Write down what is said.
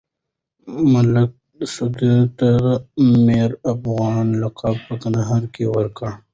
ملک سدو ته د ميرافغانه لقب په کندهار کې ورکړل شو.